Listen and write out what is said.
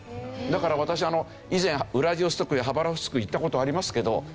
だから私以前ウラジオストクやハバロフスク行った事ありますけど。